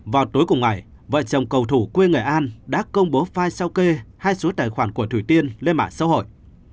vào tối cùng ngày vợ chồng cầu thủ quê nghệ an đã công bố file sao kê hai số tài khoản của thủy tiên lên mạng xã hội